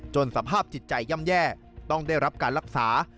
สภาพจิตใจย่ำแย่ต้องได้รับการรักษา